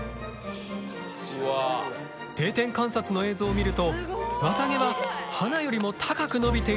定点観察の映像を見ると綿毛は花よりも高く伸びているのが分かる。